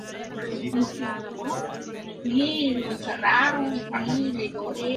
Vestida como hombre, Mlle.